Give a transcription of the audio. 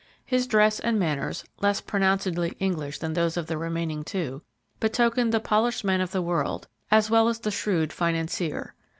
His dress and manners, less pronouncedly English than those of the remaining two, betokened the polished man of the world as well as the shrewd financier.